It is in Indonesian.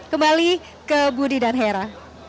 kembali ke budi dan hera